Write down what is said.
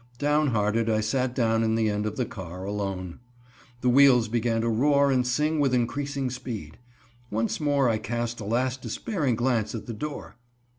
Downhearted, I sat down in the end of the car alone. The wheels began to roar and sing with increasing speed. Once more I cast a last despairing glance at the door.